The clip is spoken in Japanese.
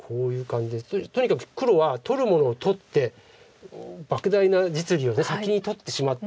とにかく黒は取るものを取ってばく大な実利を先に取ってしまって。